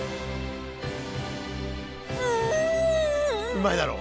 うまいだろ？